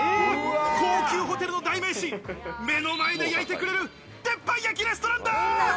高級ホテルの代名詞、目の前で焼いてくれる鉄板焼きレストランだ！